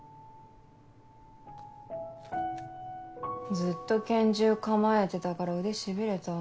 ずっと拳銃構えてたから腕しびれた。